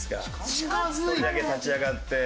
１人だけ立ち上がって。